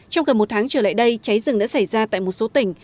trong gần một tháng trở lại đây cháy rừng đã xảy ra tại một số tỉnh